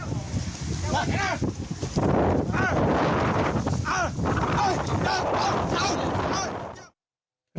นี่คือนาธิชีวิตจริงคุณผู้ชมครับทะเลเกือบกลืนห้าชีวิตนี้ไปแล้ว